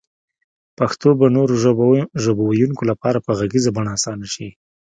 پښتو به نورو ژبو ويونکو لپاره په غږيزه بڼه اسانه شي